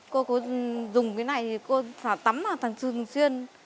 cô có dùng cái này thì cô phải tắm thẳng thường xuyên